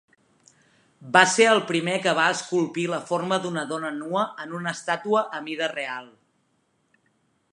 Va ser el primer que va esculpir la forma d'una dona nua en una estàtua a mida real.